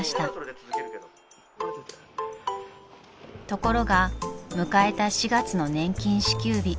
［ところが迎えた４月の年金支給日］